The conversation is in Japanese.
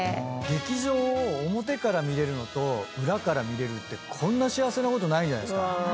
劇場を表から見れるのと裏から見れるってこんな幸せなことないんじゃないですか。